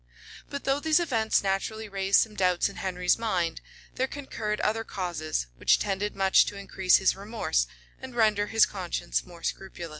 [] But though these events naturally raised some doubts in Henry's mind, there concurred other causes, which tended much to increase his remorse, and render his conscience more scrupulous.